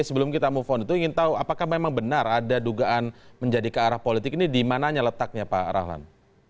sebelum kita move on itu ingin tahu apakah memang benar ada dugaan menjadi ke arah politik ini di mananya letaknya pak rahlan